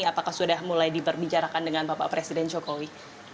apakah sudah mulai diberbicarakan dengan bapak presiden jokowi